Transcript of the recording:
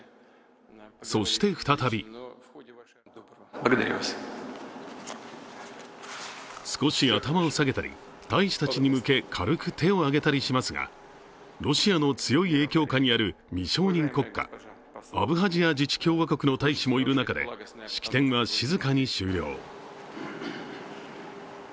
そして、再び少し頭を下げたり、大使たちに向け、軽く手を挙げたりしますがロシアの強い影響下にある未承認国家、アブハジア自治共和国の大使もいる中で式典は静かに終了。